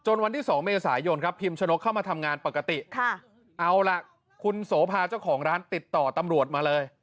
วันที่๒เมษายนครับพิมชนกเข้ามาทำงานปกติเอาล่ะคุณโสภาเจ้าของร้านติดต่อตำรวจมาเลย